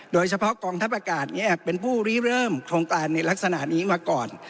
โดยเฉพาะกองทัพอากาศเป็นผู้รีเริ่มโครงการในลักษณะนี้มาก่อน